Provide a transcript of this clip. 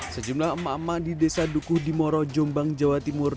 sejumlah emak emak di desa dukuh dimoro jombang jawa timur